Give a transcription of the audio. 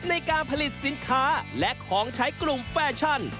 ในการผลิตสินค้าและของใช้กลุ่มแฟชั่น